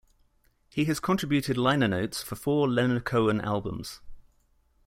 He has contributed liner-notes for four Leonard Cohen albums.